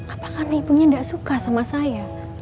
apakah ibunya gak suka sama saya